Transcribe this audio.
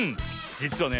じつはね